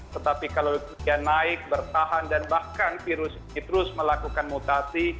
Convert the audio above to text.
tetapi kalau dia naik bertahan dan bahkan virus ini terus melakukan mutasi